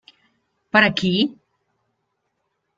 Per a qui?